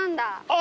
あ！